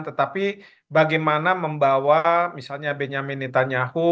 tetapi bagaimana membawa misalnya benyamin itanyahu